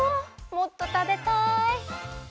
もっとたべたい！